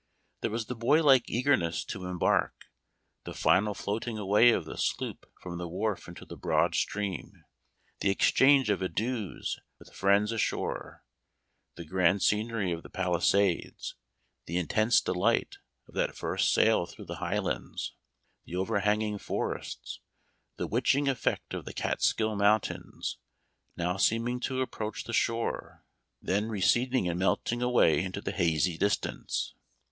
There was the boy like eagerness to embark, the final floating away of the sloop from the wharf into the broad stream, the exchange of adieus with friends ashore, the grand of the Palisades, the " intense delight " of that first sail through the Highlands, the overhanging forests the u witch ing effect" of the Kaatskiil Mountains — now seeming to approach the shore, then receding and melting away into the hazy distance.